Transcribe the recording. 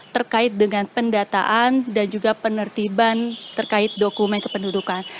terkait dengan pendataan dan juga penertiban terkait dokumen kependudukan